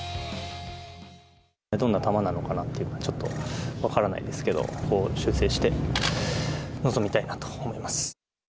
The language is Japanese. どんな球なのかなというのはちょっと分からないですけど、修正して臨みたいなと思います。